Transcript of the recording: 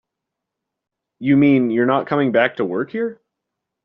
You mean you're not coming back to work here?